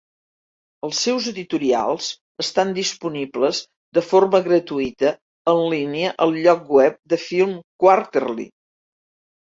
Els seus editorials estan disponibles de forma gratuïta en línia al lloc web de "Film Quarterly".